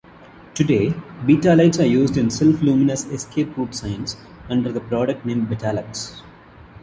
Today betalights are used in self luminous escape-route signs, under the product name Betalux.